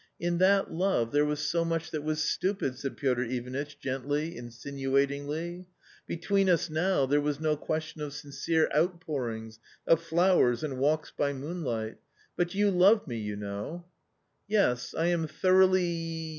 " In that love there was so much that was stupid," said Piotr Ivanitch gently, insinuatingly. "Between us now there was no question of sincere outpourings, of flowers, and walks by moonlight .... but you love me, you know." "Yes, I am thoroughly